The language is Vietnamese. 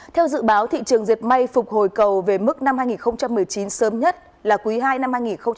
theo dự báo thị trường diệt may phục hồi cầu về mức năm hai nghìn một mươi chín sớm nhất là quý ii năm hai nghìn hai mươi